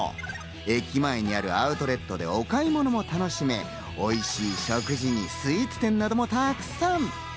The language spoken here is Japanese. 駅前にあるアウトレットでお買い物も楽しめ、おいしい食事にスイーツ店などもたくさん。